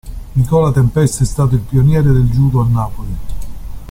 Nicola Tempesta è stato il pioniere del Judo a Napoli.